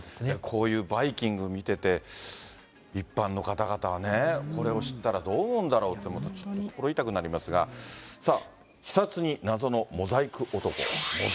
こういうバイキング見てて、一般の方々はね、これを知ったらどう思うんだろうって、心痛くなりますが、さあ、視察に謎のモザイク男。